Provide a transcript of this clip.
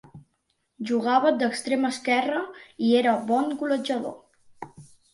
Jugava d'extrem esquerre, i era bon golejador.